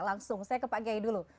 langsung saya ke pak kiai dulu